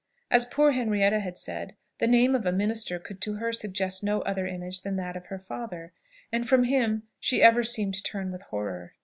As poor Henrietta had said, the name of a minister could to her suggest no other image than that of her father; and from him she ever seemed to turn with horror.